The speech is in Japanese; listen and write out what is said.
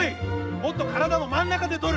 もっと体の真ん中で捕る！